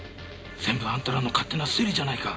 全部あんたらの勝手な推理じゃないか！